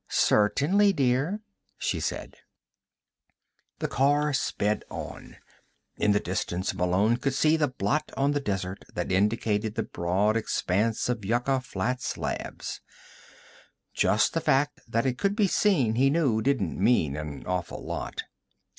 "Certainly, dear," she said. The car sped on. In the distance, Malone could see the blot on the desert that indicated the broad expanse of Yucca Flats Labs. Just the fact that it could be seen, he knew, didn't mean an awful lot.